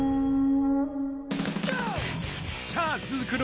さあ続く